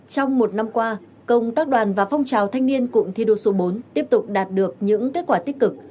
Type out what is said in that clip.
trong một năm qua công tác đoàn và phong trào thanh niên cụm thi đua số bốn tiếp tục đạt được những kết quả tích cực